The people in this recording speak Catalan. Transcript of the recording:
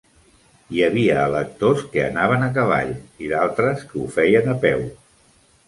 Hi havia electors que anaven a cavall i d'altres que ho feien a peu.